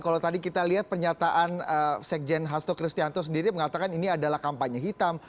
kalau tadi kita lihat pernyataan sekjen hasto kristianto sendiri mengatakan ini adalah kampanye hitam